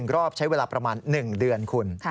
รอบใช้เวลาประมาณ๑เดือนคุณ